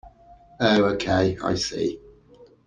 Oh okay, I see.